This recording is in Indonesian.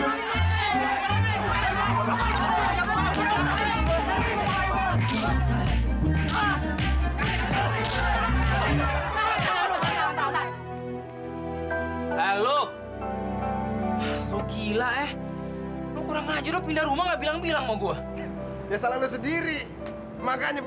hai hai lu gila eh kurang ajar pindah rumah ngambil bilang mau gua ya salah sendiri makanya